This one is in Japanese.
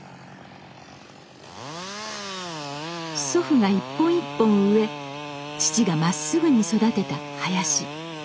祖父が一本一本植え父がまっすぐに育てた林。